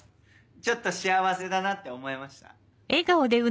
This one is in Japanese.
ちょっと幸せだなって思えました。